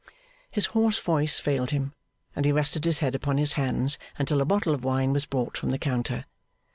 His hoarse voice failed him, and he rested his head upon his hands until a bottle of wine was brought from the counter.